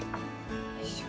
よいしょ。